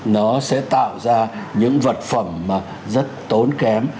nó sẽ tạo ra những vật phẩm mà rất tốn kém